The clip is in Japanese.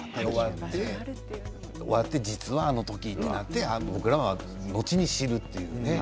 終わって、実はあの時となって、僕らは後に知るというね。